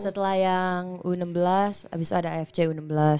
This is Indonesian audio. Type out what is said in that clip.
setelah yang u enam belas abis itu ada afc u enam belas